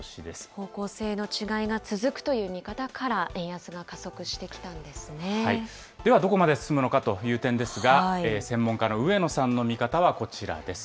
方向性の違いが続くという見方から、円安が加速してきたんでではどこまで進むのかという点ですが、専門家の植野さんの見方はこちらです。